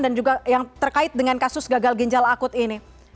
dan juga yang terkait dengan kasus gagal ginjal akut ini